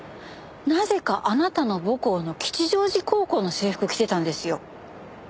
なぜかあなたの母校の吉祥寺高校の制服着てたんですよ。